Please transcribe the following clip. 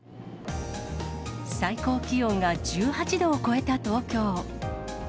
最高気温が１８度を超えた東京。